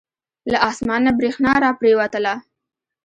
له اسمان نه بریښنا را پریوتله.